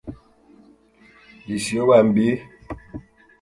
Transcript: All of them have a siding track and two of them have switchbacks.